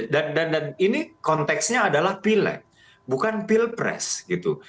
dan ini konteksnya adalah pilek bukan pilpres gitu